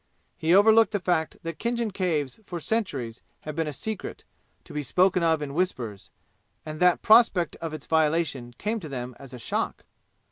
He overlooked the fact that Khinjan Caves for centuries had been a secret to be spoken of in whispers, and that prospect of its violation came to them as a shock.